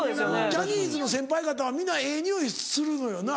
ジャニーズの先輩方は皆ええ匂いするのよな。